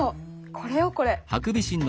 これよこれ。